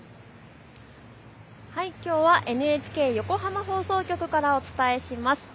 きょうはＮＨＫ横浜放送局からお伝えします。